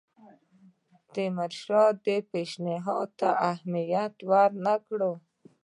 تیمورشاه دې پېشنهاد ته اهمیت ورنه کړ.